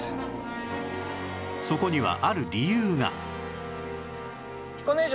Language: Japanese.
そこにはある理由が